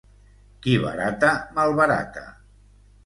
Qui barata, malbarata.